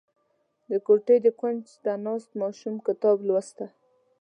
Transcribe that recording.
• د کوټې د کونج ته ناست ماشوم کتاب لوسته.